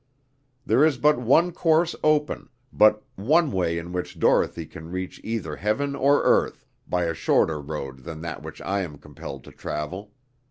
There is but one course open; but one way in which Dorothy can reach either heaven or earth, by a shorter road than that which I am compelled to travel.